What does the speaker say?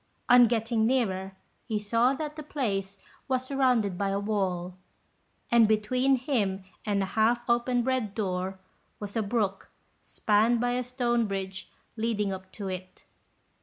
On getting nearer, he saw that the place was surrounded by a wall, and between him and a half open red door was a brook spanned by a stone bridge leading up to it.